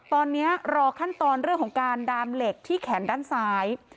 ตอนนี้รอขั้นตอนเรื่องของการดามเหล็กที่แขนด้านซ้าย